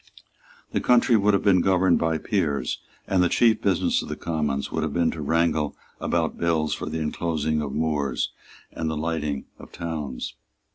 The country would have been governed by Peers; and the chief business of the Commons would have been to wrangle about bills for the inclosing of moors and the lighting of towns.